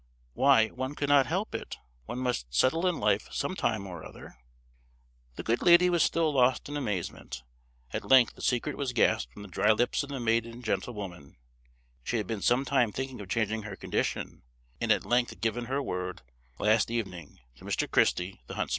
"Why, one could not help it; one must settle in life some time or other." The good lady was still lost in amazement; at length the secret was gasped from the dry lips of the maiden gentlewoman; she had been some time thinking of changing her condition, and at length had given her word, last evening, to Mr. Christy, the huntsman.